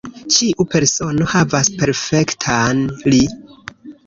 Ĉiu persono havas perfektan "li".